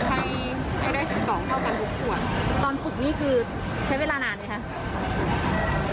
ให้ให้ได้ถึงสองเท่ากันทุกส่วนตอนฝึกนี่คือใช้เวลานานไหมคะ